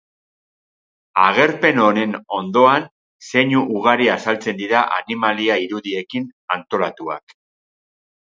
Agerpen honen ondoan zeinu ugari azaltzen dira animalia-irudiekin antolatuak.